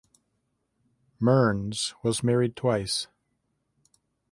Mearns was married twice.